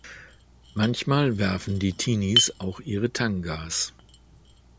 Manchmal werfen die Teenies auch ihre Tangas.